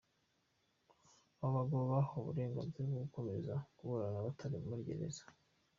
Abo bagabo bahawe uburenganzira bwo gukomeza kuburana batari muri gereza.